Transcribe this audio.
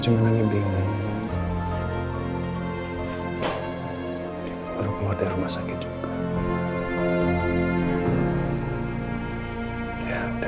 sampai jumpa di video selanjutnya